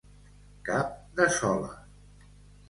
Cap de sola.